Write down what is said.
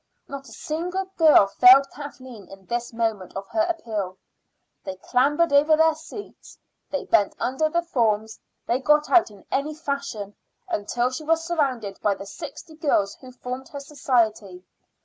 Not a single girl failed Kathleen in this moment of her appeal. They clambered over their seats; they bent under the forms; they got out in any fashion, until she was surrounded by the sixty girls who formed her society.